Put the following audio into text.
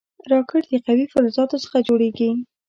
راکټ د قوي فلزاتو څخه جوړېږي